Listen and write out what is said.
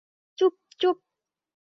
চুপ, চুপ।